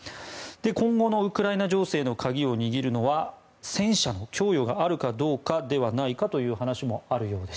今後のウクライナ情勢の鍵を握るのは戦車の供与があるかどうかではないかという話もあります。